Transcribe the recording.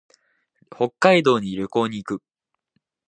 北海道に旅行に行く。